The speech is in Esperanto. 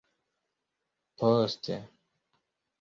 poste